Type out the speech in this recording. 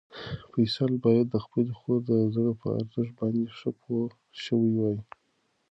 فیصل باید د خپلې خور د زړه په ارزښت باندې ښه پوه شوی وای.